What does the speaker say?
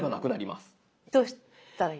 どうしたらいい？